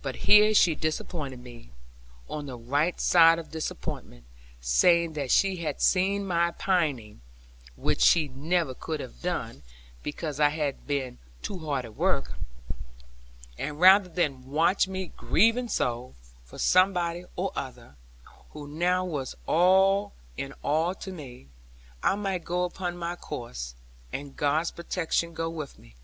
But here she disappointed me, on the right side of disappointment; saying that she had seen my pining (which she never could have done; because I had been too hard at work), and rather than watch me grieving so, for somebody or other, who now was all in all to me, I might go upon my course, and God's protection go with me!